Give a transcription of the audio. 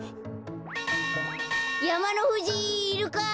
やまのふじいるか？